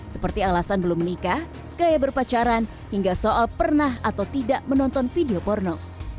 seperti alasan belum menikah gaya berpacaran hingga soal pernah atau tidak menonton video porno